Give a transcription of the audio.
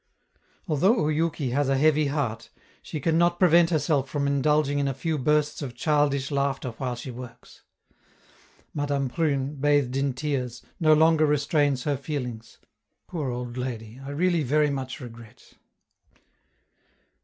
Although Oyouki has a heavy heart, she can not prevent herself from indulging in a few bursts of childish laughter while she works. Madame Prune, bathed in tears, no longer restrains her feelings; poor old lady, I really very much regret....